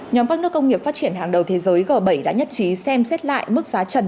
nhóm các nước công nghiệp phát triển hàng đầu thế giới g bảy đã nhất trí xem xét lại mức giá trần